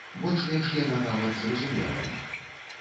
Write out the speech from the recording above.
Больш-менш яна нават зразумелая.